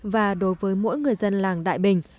và đối với mỗi người dân làng đại bình